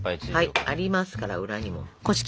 はいありますから裏にも。